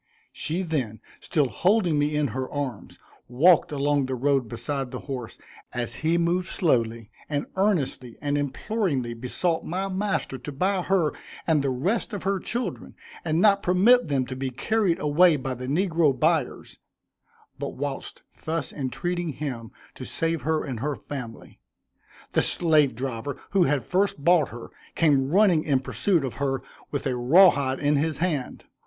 She then, still holding me in her arms, walked along the road beside the horse as he moved slowly, and earnestly and imploringly besought my master to buy her and the rest of her children, and not permit them to be carried away by the negro buyers; but whilst thus entreating him to save her and her family, the slave driver, who had first bought her, came running in pursuit of her with a raw hide in his hand.